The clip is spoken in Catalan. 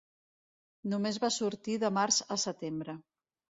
Només va sortir de març a setembre.